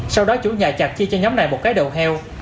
sau đó chủ nhà chặt chia cho nhóm này một cái đầu heo